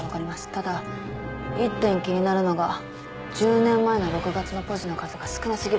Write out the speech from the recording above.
ただ一点気になるのが１０年前の６月のポジの数が少な過ぎるんです。